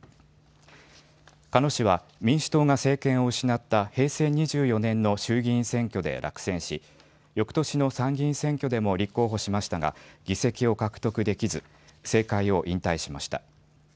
鹿野氏は民主党が政権を失った平成２４年の衆議院選挙で落選しよくとしの参議院選挙でも立候補しましたが議席を獲得できず政界を引退しました。